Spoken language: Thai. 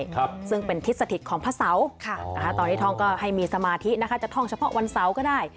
ครับซึ่งเป็นทิศสถิตของพระเสาค่ะนะคะตอนนี้ท่องก็ให้มีสมาธินะคะจะท่องเฉพาะวันเสาร์ก็ได้